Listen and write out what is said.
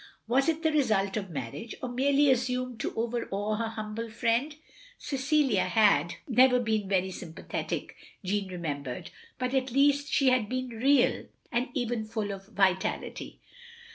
Was it the result of marriage, or merely assumed to overawe her humble friend? Cecilia had 1 68 THE LONELY LADY never been very sympathetic, Jeanne remembered, but at least she had been reed, and even full of vitality.